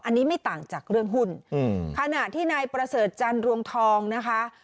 อันนี้ไม่ต่างจากเรื่องหุ้นขณะที่นายประเสริฐจันรวงทองนะคะ